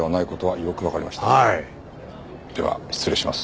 では失礼します。